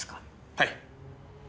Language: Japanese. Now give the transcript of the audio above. はい。